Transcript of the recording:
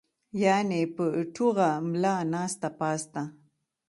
يعني پۀ ټوغه ملا ناسته پاسته